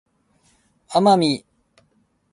奄美